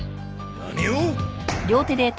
何を！